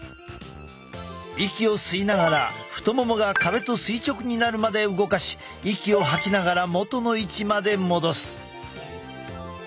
息を吸いながら太ももが壁と垂直になるまで動かし息を吐きながら元の位置まで戻す。